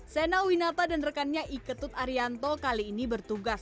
sena winata dan rekannya iketut arianto kali ini bertugas